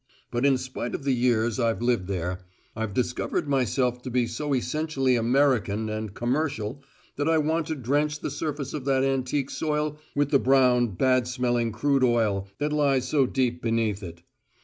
But in spite of the years I've lived there, I've discovered myself to be so essentially American and commercial that I want to drench the surface of that antique soil with the brown, bad smelling crude oil that lies so deep beneath it.